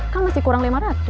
kan masih kurang lima ratus